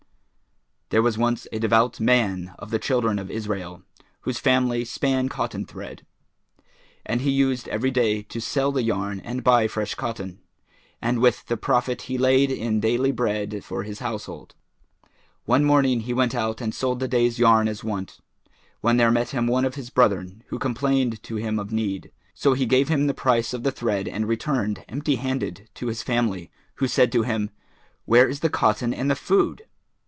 There was once a devout man of the Children of Israel,[FN#414] whose family span cotton thread; and he used every day to sell the yarn and buy fresh cotton, and with the profit he laid in daily bread for his household. One morning he went out and sold the day's yarn as wont, when there met him one of his brethren, who complained to him of need; so he gave him the price of the thread and returned, empty handed, to his family, who said to him, "Where is the cotton and the food?"